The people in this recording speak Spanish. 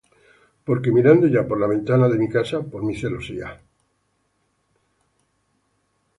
Porque mirando yo por la ventana de mi casa, Por mi celosía,